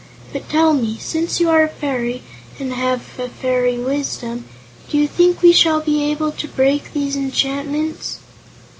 But tell me, since you are a fairy, and have a fairy wisdom: do you think we shall be able to break these enchantments?"